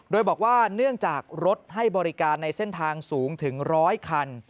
โดยบอกว่าเนื่องจากรถให้บริการในเส้นทางสูงถึง๑๐๐คัน